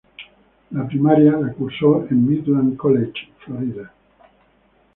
La primaria la cursó en Midland College Florida.